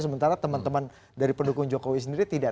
sementara teman teman dari pendukung jokowi sendiri tidak